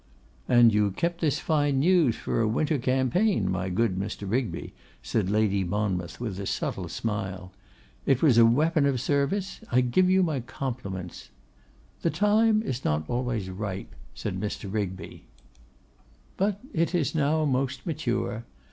'And you kept this fine news for a winter campaign, my good Mr. Rigby,' said Lady Monmouth, with a subtle smile. 'It was a weapon of service. I give you my compliments.' 'The time is not always ripe,' said Mr. Rigby. 'But it is now most mature.